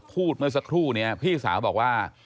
เมื่อสักครู่นี้พี่สาวบอกว่า